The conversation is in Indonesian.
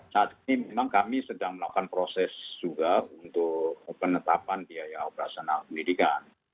saat ini memang kami sedang melakukan proses juga untuk penetapan biaya operasional pendidikan